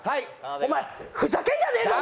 お前ふざけんじゃねーぞ！